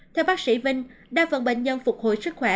theo bác sĩ vinh đa phần bệnh nhân phục hồi sức khỏe